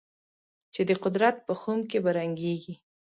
چې د قدرت په خُم کې به رنګېږي.